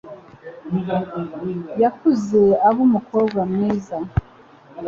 Yakuze aba umukobwa mwiza.